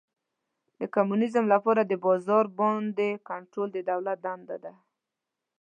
د کمونیزم لپاره د بازار باندې کنټرول د دولت دنده ده.